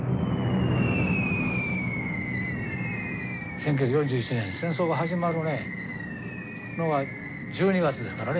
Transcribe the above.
１９４１年戦争が始まるのが１２月ですからね。